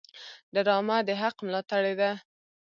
ډرامه د حق ملاتړې ده